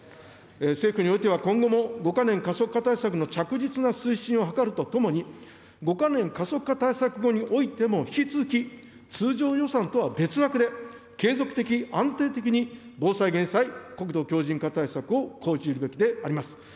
政府においては今後も５か年加速化対策の着実な推進を図るとともに、５か年加速化対策後においても引き続き、通常予算とは別枠で、継続的、安定的に防災・減災、国土強靭化対策を講じるべきであります。